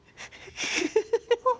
フフフフ。